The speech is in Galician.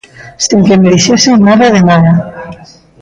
Sen que me dixesen nada de nada.